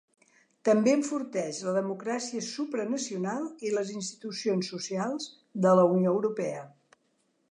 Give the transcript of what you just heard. També enforteix la democràcia supranacional i les institucions socials de la Unió Europea.